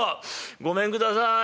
ごめんください」。